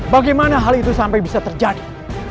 bagaimana hal itu sampai bisa terjadi